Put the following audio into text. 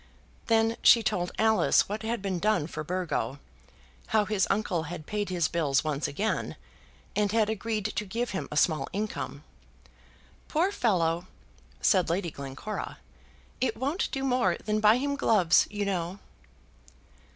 Then she told Alice what had been done for Burgo; how his uncle had paid his bills once again, and had agreed to give him a small income. "Poor fellow!" said Lady Glencora, "it won't do more than buy him gloves, you know."